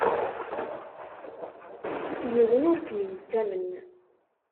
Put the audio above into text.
Yiwen ur kem-yettamen.